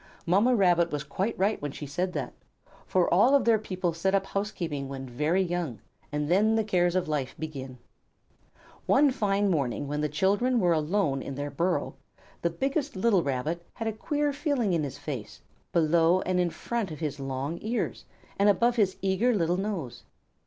Mamma Rabbit was quite right when she said that, for all of their people set up housekeeping when very young, and then the cares of life begin. One fine morning when the children were alone in their burrow, the biggest little Rabbit had a queer feeling in his face, below and in front of his long ears, and above his eager little nose.